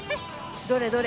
どれ？